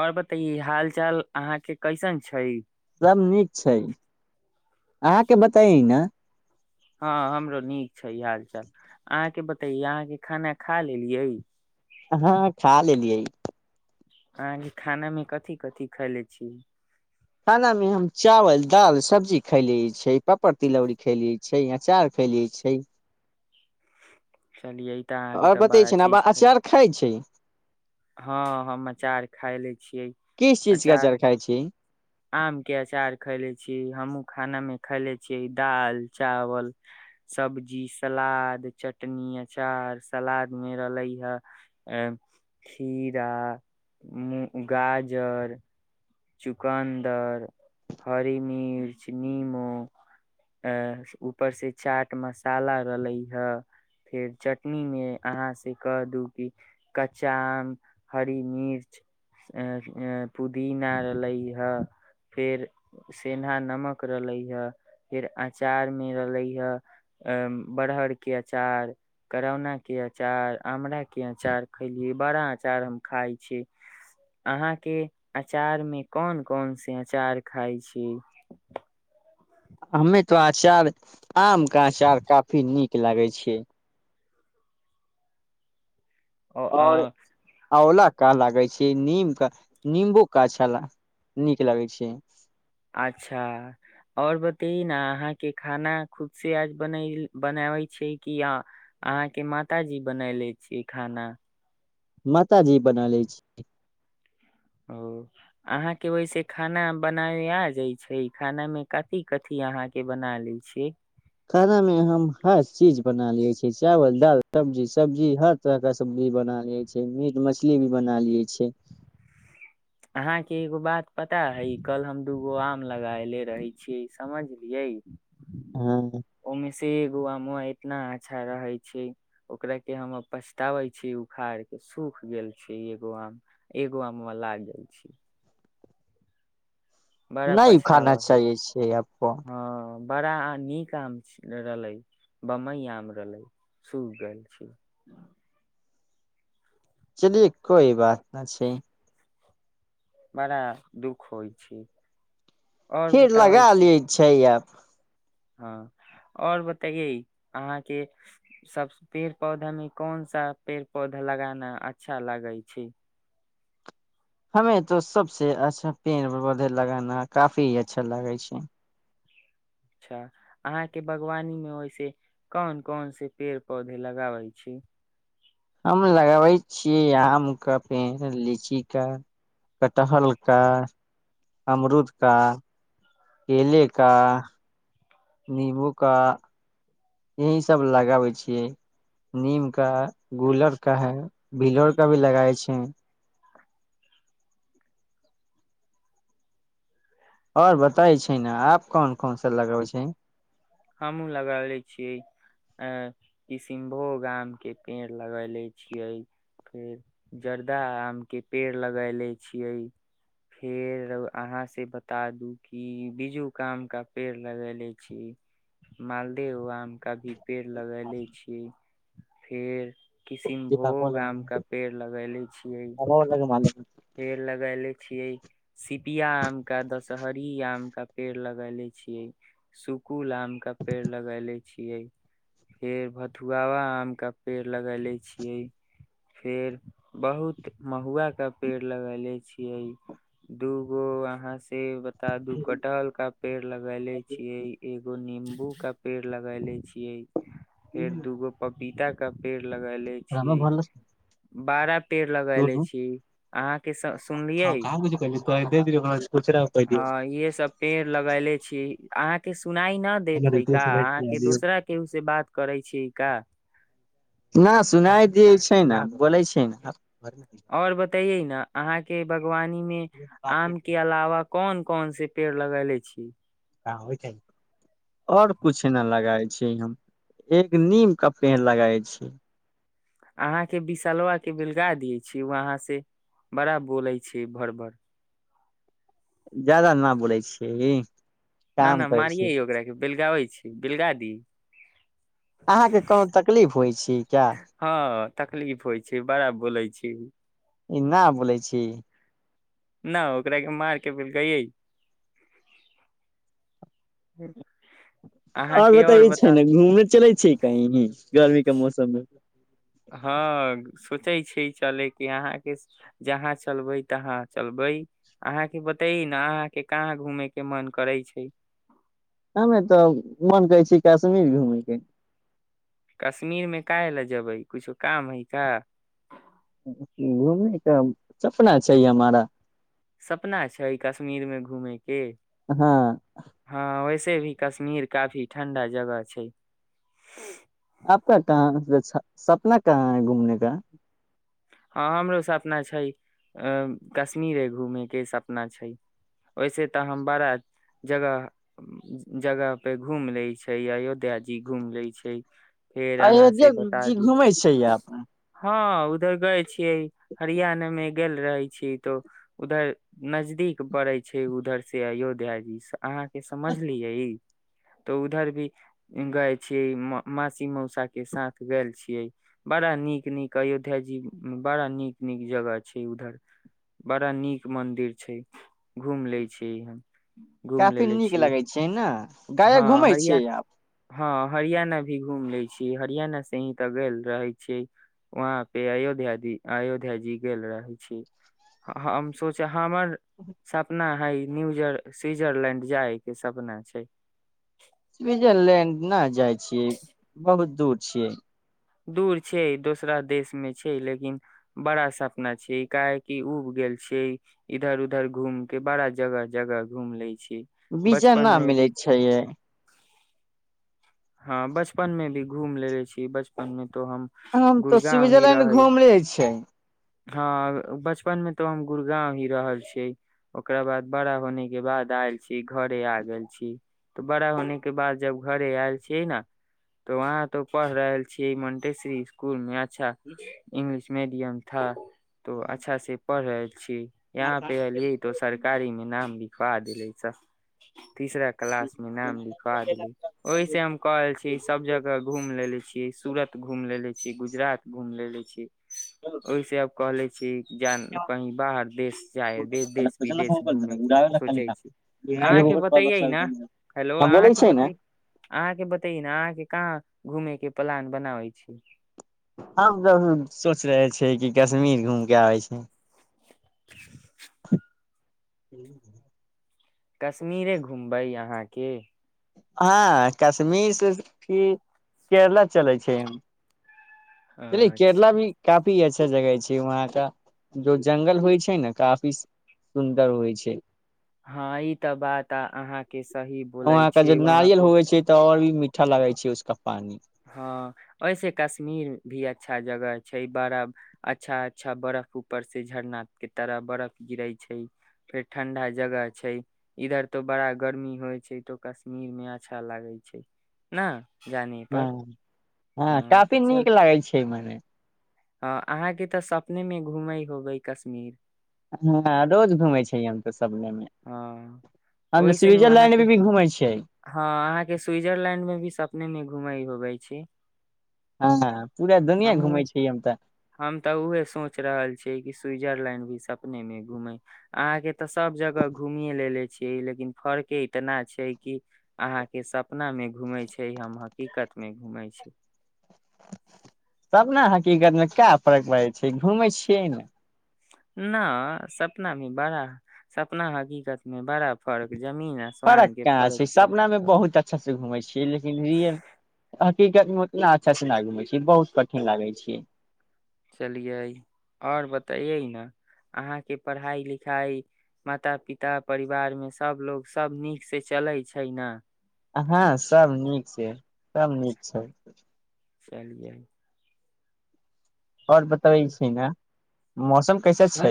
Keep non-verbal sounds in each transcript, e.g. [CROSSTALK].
आओर बतैए हाल चाल अहाँ के कैसन छै सभ नीक छै अहाँके बताई ने हँ हमरो नीक छै हाल चाल अहाँके बतैै अहाँके खाना खा लेलियै हाँ खा लेलियै अहाँके खानामे कथी कथी खयले छै खानामे हम चावल दालि सब्जी खले छै पापड़ तिलौरी खलियै छै अचार खलियै छै चलियै तऽ अहाँके आओर तऽ बतै बड़ा छै ने आब चीज खैले अचार खाइ छै हँ हम अचार खाय लै छियै किस चीज के अचार खाइ छी आमके अचार खयले छी हमहूँ खानामे खयले छियै दालि चावल सब्जी सलाद चटनी अचार सलादमे रहलै हे खीरा मु गाजर चुकन्दर हरी मिर्च नीमो ऊपर से चाट मसाला रहले हे फेर चटनी मे अहाँ से कह दू क कच्चा आम हरी मिर्च पुदीना रहलै ह फेर सेन्धा नमक रहलै ह फेर अचारमे रहलै ह बड़हर के अचार करौनाके अचार आराके अचार खली बड़ा अचार हम खाइ छी अहाँके अचार में कोन कोन से अचार खााय छी हमे तो अचार आम के अचार काफी नीक लगै छिय ओ आ आंला का लागे छै नीम का नंबो का अछा नीक लगे छै अच्छा आओर बतै ने अहाँके खाना खुद से आज बन बनाबै छै कि अहाँके माताजी बनले छियै खाना माताजी बनैलै छी ओ अहाँके वैसे खाना बनाय आ जाइ छै खाना मे कथी कथी अहाँके बना लै छियै खानामे हम हर चीज बना लियै छियै चावल दाल सब्जी सब्जी हर तरहके सब्जी बना लियै छिय मीट मछली भी बना लियै छिय अहाँके एगो बात पता हइ कल हम दूगो आम लगायले रहै छियै समझलियै हँ ओमसी गआ मो कितना अच्छा रहे छै ओकरा के हम पछतावे छी उखाड़ के सूख गेल छै एगो आम ए ग मे लाग जा छी नहि खाना पछतावा अच्छा होय हैइ छै अपन हँ बड़ा आम नीक आम रहलै बम्बई आम रहलै सूख गेल चलिये कोइ बात न छै बड़ा दुःख होइ छै और फिर बताबै लगा छी लैय छै आब हँ आओर बतैेयै अहाँके सब पेड़ पौधामे कोन सा पेड़ पौधा लगाना अच्छा लागै छै हमे तो सबसे अच्छा पेड़ पौधे लगाना काफी अच्छा लागै छै अच्छा अहाँके बागवानीमे वैसे कोन कोन से पेड़ पौधा लगाबै छी हम लगबै छियै आमका पेड़ लीचीका कटहरका अमरूदका केलेका नीम्बूका यही सब लगाबै छियै नीम का गुलर का है भिलर का भी लगाबै छै आओर बताइ छै ने आप कोन कोन सा लगाबै छै हमहूँ लगै ले छियै किष्णभोग आमके पेड़ लगै ले छियै फेर जर्दा आमके पेड़ लगै ले छियै फेर अहाँसँ बता दू कि बिजूक आमका पेड़ लगैले छियै मालदेह आम का भी पेड़ लगैले छी फिर किसनभोग आम केा पेड़ लगैेले छियै पेड़ लगैले छियै सिपिया आमके दशहरी आमके पेड़ लगैले छियै सुकुल आमके पेड़ लगैले छियै फेर भथुआ आमके पेड़ लगैले छियै फेर बहुत महुआके पेड़ लगेले छियै दूगो अहाँ से ता दू कटहल का पेड़ लगेले छियै एगो नीम गू का पेड़ लगेले छी फेर दूगो पपीता का पेड़ लगैलै छियै बारह पेड़ लगैले छी अहाँके सुनलियै ह इहे सब पेड़ लगैले छी अहाँके सुनाई न देत है का अहाँके दोसरा केहू से बात करै छी का न सुनाय दै छै ने बोलै छै ने आओर बतैइयै न अहाँके बगवानीमे आम के अलावा कौन कौन से पेड़ लगैले छी आओर कुछ ने लगाय छियै हम एक नीम का पेड़ लगाय छियै अहाँके बिशलबा के बेलगा दियै छियै वहाँ से बड़ा बोलै छै भर भर ज्यादा न बोलै छियै ना काम ना करै छी मारिए ओकराके बेलगाबै छी बिलगादी अहाँके कोनो तकलीफ होइ छी क्या हँ तकलीफ होइ छै बड़ा बोलै छै कि ई ना बोलै छी ना ओकरा के मार के बेलगैयै आओर अहाँके और बतैयै छियै बताउ न घूमने चलै छियै कहीं गर्मी के मौसममे हँ सोचै छियै चलेके अहाँके जहाँ चलबै तहाँ चलबै अहाँके बतयै न अहाँके कहाँ घूमयके मन करै छै हमे तऽ मोन करै छै काश्मीर घूमयके काश्मीरमे काहे ला जबै कुछो काम हइ का घुमने का सपना छै हमारा सपना छै कश्मीर मे घूमेके हँ के हँ ओहिसे से भी कश्मीर काफी ठण्डा जगह छै आपका कहाँ सपना कहाँ है घूमने का हँ हमरो सपना छै कश्मीरे घूमे के सपना छै ओहिसे तऽ हम बड़ा जगह जगह पे घूमि ले छै अयोध्या जी घूमि लै छै फेर अहाँ अयोध्या से बता जी दी घुमै छै यहाँ पे हँ उधर गइल छियै हरियाणा मे गेल रहै छियै तऽ उधर नजदीक पड़ै छै उधर से अयोध्या जी सब अहाँके समझलियै तऽ उधर भी गएल छियै मासी मौसा के साथ गेल छियै बड़ा नीक नीक अयोध्या जी बड़ा नीक नीक जगह छै उधर बड़ा नीक मंदिर छै घूम लै छियै हम घूम काफी लेले नीक छी लगै छै न गाया हँ घूमै हरिया छियै आब हँ हरियाणा भी घूम लै छी हरियाणा से ही ते गेल रहै छी वहां पे अयोध्या जी अयोध्या जी गेल रहै छी हम सोचा हमर सपना हइ न्यूजर स्विजरलैंड जाय के सपना छै स्विजरलैंड न जाइ छियै बहुत दूर छियै दूर छै दोसरा देशमे छै लेकिन बड़ा सपना छै काहेकि उब गेल छियै इधर उधर घूम के बड़ा जगह जगह घूम लै छी बीजा बचपन न मे भी मिलैत छै ये हँ बचपन मे भी घूम लेले छियै बचपन हँ हम तऽ स्विजरलैंड घूमले छै हँ बचपन मे तो हम गुड़गाँंव ही रहल छियै ओकरा बाद बड़ा होने के बाद आयल छी घरे आ गेल छी तऽ बड़ा होने के बाद जब घरे आयल छियै ने तऽ वहाँ तो पढ़ रहल छियै मोंटेश्वरी स्कुल मे अच इंग्लिश मीडियम ठ [INAUDIBLE] तो अच्छा से पढ़ैत यहाँ पे अलियै तो सरकारी मे नाम लिख का दिले छह तीसरा क्लास में नाम लिखवा देले ओहि से हम कहल छी सब जगह घूम लेले छीय सूरत घूम लेले छी गुजरात घूम ले ले छी ओहिस आब कहले से ज हम कहीँ बाहर देश जाइ ह दे देश विदेश घूमयके सोचै छी अहाँके बतैयै ने हेलो बोलै अहाँके छियै ने बतै अहाँके बतैै ने अहाँके कहाँ घूमे के प्लान बनाबै छी हमसभब सोच रहे छिय कि कश्मीर घूमि कऽ आबै छी ह कश्मीरे घुमबै यहाँके हँ कश्मीर से की केरला चलै छै चल केरला अच्छा भी काफी छै अचछा जगह छै वहाँ का जो जंगल होइ छै ने काफी सुन्दर होइ छै हँ ई तऽ बात अहाँ के सही बोलै वहाँ के छै नारियल होइ छै त ओ भी मीठा लगा छै उसक हँ ऐसे कश्मीर भी अच्छा जगह छै बड़ा अच्छा अच्छा बरफ ऊपर से झरनाथ के तरफ बरफ गिरे छै फेर ठंडा जगह छै इधर तो बड़ा गर्मी होइ छै तो कश्मीर मे अच्छा लागे छै ने जाने हँ पर हँ काफी नीक लागै छै मने ह अहाँके तऽ सपने मे घूमै होबै कश्मीर हँ रोज घुमे छै त हँ ओहि से ने स्विजरलैंड अहके भी घूमै छियै हँ अहाँके स्विजरलैंड मे भी सपने मे घुमइ होबै छै हँ पूरा दुनिया घूमै हमू छियै हम तऽ हम तऽ उह सोच रहल छीियै कि सिजरलैंड सपने मे घुमे अहाँके तऽ सभ जगह घूमिये लेले छियै लेकिन फर्के इतना छै कि अहाँ के सपना मे घूमे छै हम हकीकत मे घूमे छै तब ने हकीीकतमे क्या फर्क पै छै घूमै छियै ने न सपना भ बड़ा सपना हकीकत मे बड़ा फर्क जमीन फरक आसमान के कहाँ छै फर्क सपनामे बहुत अच्छा से घुमै छियै लेकिन र तना अच्छाँ घुम छी बहुत कठिन लागै छै चलियै आओर बतैयै ने अहाँके पढ़ाइ लिखाइ माता पिता परिवारमे सभलोग सभ नीकसँ चलै छै ने हँ सब नीक छै सभ नीक छै चलिये आओर बतबै छी ने मौसम कैसे छै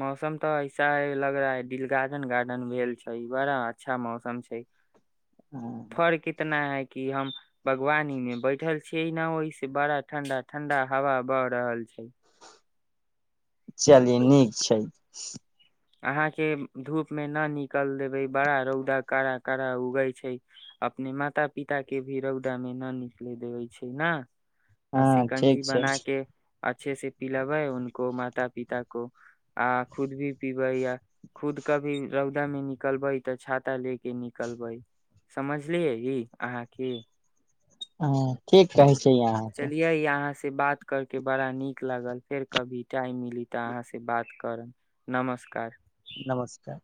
मौसम तऽ ऐसा ह लग रहा है द गार्डन गार्डन भेल छै बड़ा अच्छा मौसम छै फर कितना है कि हम बागवानी मे बैठल छी ने ओहि से बड़ा ठंडा ठंडा हवा बह रहल छै चलिए नीक छै अहाँके धूप मे न निकल देबै बड़ा रौदा कड़ा कड़ा उगै छै अपने माता पिता के भी रौदा मे न निकले देबे छै ने आ हँ शिकंजी ठीक छै बना के अच्छे से पिलबै उको माता पिता को आ खुद भी खुद कभी रौदा में निकलवाई त छाता ले के समझलो ह ठीक कहै छै अहाँके चलियै अहाँ से बात करके बड़ा नीक लागल फेर कभी टाइम मिली तऽ अहाँ से बात करब नमस्कार नमस्कार